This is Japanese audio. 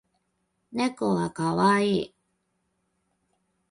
猫は可愛い